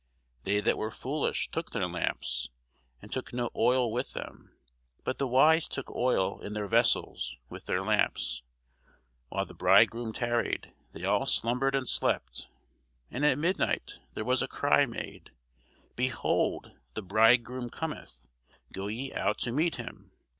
They that were foolish took their lamps, and took no oil with them: but the wise took oil in their vessels with their lamps. While the bridegroom tarried, they all slumbered and slept. And at midnight there was a cry made, Behold, the bridegroom cometh; go ye out to meet him.